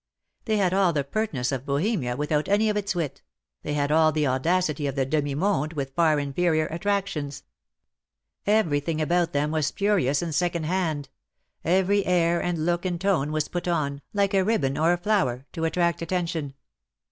They had all the pertness of Bohemia without any of its wit — they had all the audacity of the demi^ monde, with far inferior attractions. Everything about them was spurious and second hand every air and look and tone was put on, like a ribbon or a flower, to attract attention.